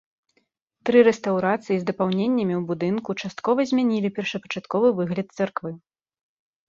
Тры рэстаўрацыі з дапаўненнямі ў будынку часткова змянілі першапачатковы выгляд царквы.